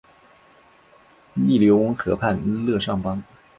利尼翁河畔勒尚邦。